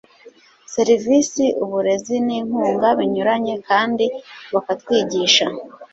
serivisi, uburezi n'inkunga binyuranye, kandi bakatwigisha